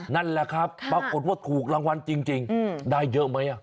นั่นแหละครับปรากฏว่าถูกรางวัลจริงได้เยอะไหม